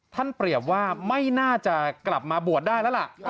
เปรียบว่าไม่น่าจะกลับมาบวชได้แล้วล่ะ